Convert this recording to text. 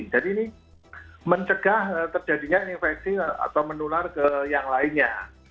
jadi ini mencegah terjadinya infeksi atau menular ke yang lainnya